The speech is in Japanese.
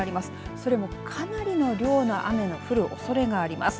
それもかなりの量の雨の降るおそれがあります。